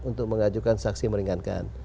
untuk mengajukan saksi meringankan